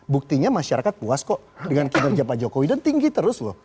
buktinya masyarakat puas kok dengan kinerja pak jokowi dan tinggi terus loh